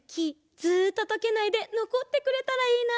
ずっととけないでのこってくれたらいいな。